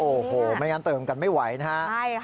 โอ้โหไม่งั้นเติมกันไม่ไหวนะฮะ